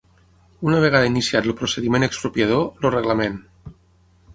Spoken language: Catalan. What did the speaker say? Una vegada iniciat el procediment expropiador, el reglament.